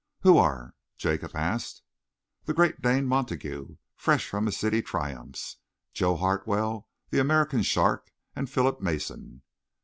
"Who are?" Jacob asked. "The great Dane Montague, fresh from his city triumphs, Joe Hartwell, the American shark, and Philip Mason."